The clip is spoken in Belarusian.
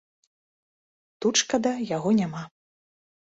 Тут, шкада, яго няма.